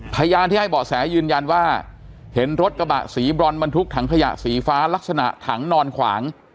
พยานที่ให้เบาะแสยืนยันว่าเห็นรถกระบะสีบรอนบรรทุกถังขยะสีฟ้าลักษณะถังนอนขวาง